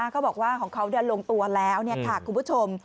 เขาบอกว่าของเขาลงตัวแล้วคุณผู้ชม